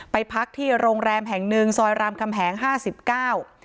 ไปพักที่โรงแรมแห่งหนึ่งซอยรามคำแหงห้าสิบเก้า